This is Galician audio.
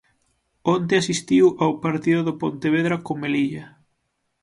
Onte asistiu ao partido do Pontevedra co Melilla.